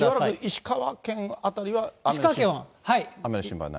石川県辺りは雨の心配ない？